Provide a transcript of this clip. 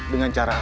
dengan cara apa